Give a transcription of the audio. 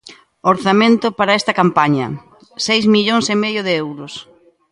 Orzamento para esta campaña, seis millóns e medio de euros.